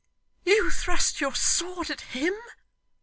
'You thrust your sword at HIM!